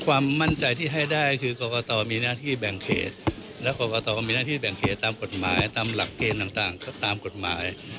ความมั่นใจที่ให้ได้คือกรกตมีหน้าที่แบ่งเขตและกรกตก็มีหน้าที่แบ่งเขตตามกฎหมายตามหลักเกณฑ์ต่างตามกฎหมาย